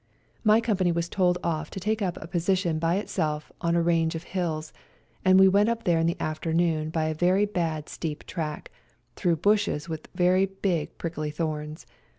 My company was told off to take up a position by itself on a range of hills, and we went up there in the afternoon by a very bad steep track, through bushes with very big prickly thorns.